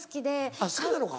あっ好きなのか。